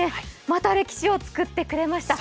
また歴史を作ってくれました。